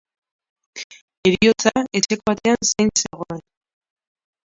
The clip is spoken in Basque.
Heriotza etxeko atean zain zegoen.